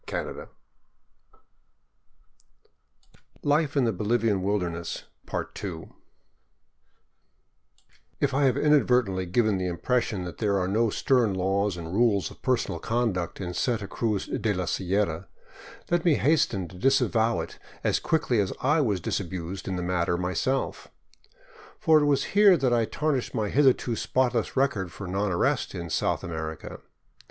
556 LIFE IN THE BOLIVIAN WILDERNESS If I have inadvertently given the impression that there are no stern laws and rules of personal conduct in Santa Cruz de la Sierra let me hasten to disavow it as quickly as I was disabused in the matter myself; for it was here that I tarnished my hitherto spotless record for non arrest in South America.